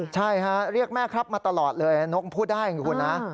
ใช่ฮะเรียกแม่ครับมาตลอดเลยนกพูดได้ไงคุณนะ